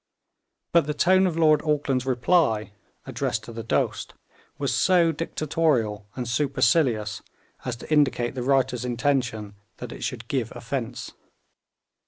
But the tone of Lord Auckland's reply, addressed to the Dost, was so dictatorial and supercilious as to indicate the writer's intention that it should give offence.